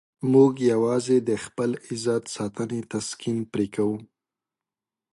موږ یوازې د خپل عزت ساتنې تسکین پرې کوو.